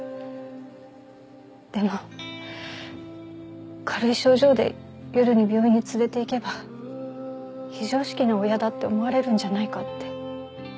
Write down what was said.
でも軽い症状で夜に病院に連れていけば非常識な親だって思われるんじゃないかって。